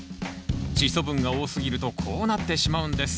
チッ素分が多すぎるとこうなってしまうんです。